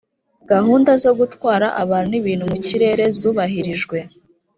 gahunda zo gutwara abantu n’ibintu mu kirere zubahirijwe